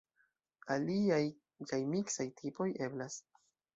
Aliaj kaj miksaj tipoj eblas.